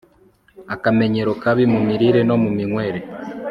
Akamenyero kabi mu mirire no mu minywere